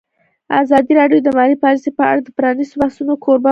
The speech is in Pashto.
ازادي راډیو د مالي پالیسي په اړه د پرانیستو بحثونو کوربه وه.